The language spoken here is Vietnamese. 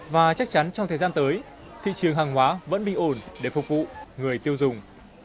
và chắc chắn trong thời gian tới thị trường hàng hóa vẫn bình ổn để phục vụ người tiêu dùng